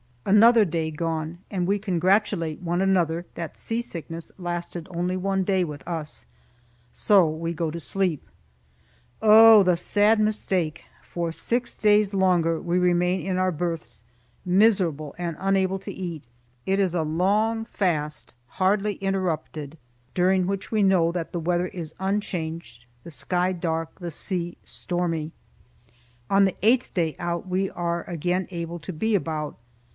Another day gone, and we congratulate one another that seasickness lasted only one day with us. So we go to sleep. Oh, the sad mistake! For six days longer we remain in our berths, miserable and unable to eat. It is a long fast, hardly interrupted, during which we know that the weather is unchanged, the sky dark, the sea stormy. On the eighth day out we are again able to be about.